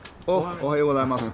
おおはようございます。